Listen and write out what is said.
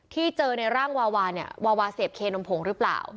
ที่เจอในร่างวาวาเนี่ยวาวาเสพเคนมผงหรือเปล่า